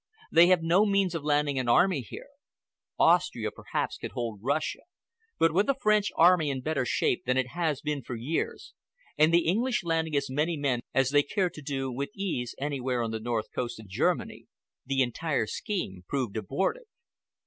They have no means of landing an army here. Austria, perhaps, can hold Russia, but with a French army in better shape than it has been for years, and the English landing as many men as they care to do, with ease, anywhere on the north coast of Germany, the entire scheme proved abortive.